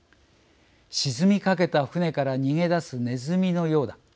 沈みかけた船から逃げ出すネズミのようだ。